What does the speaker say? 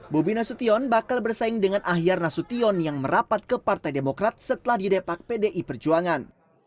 bobi nasution bakal bersaing dengan ahyar nasution yang merapat ke partai demokrat setelah didepak pdi perjuangan